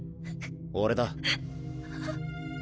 俺だ。